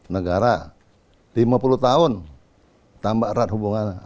negara lima puluh tahun tambah erat hubungannya